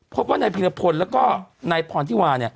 พบว่าในผีระพลแล้วก็ในพรที่วาเนี่ย